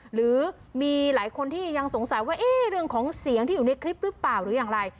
หรือมีหลายคนที่ยังสงสัยว่าเรื่องของเสียงที่อยู่ในคลิปหรือเปล่าหรืออย่างไร